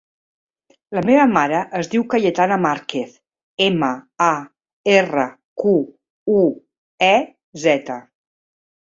La meva mare es diu Cayetana Marquez: ema, a, erra, cu, u, e, zeta.